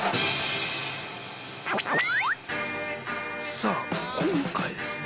さあ今回ですね